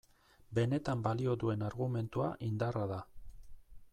Benetan balio duen argumentua indarra da.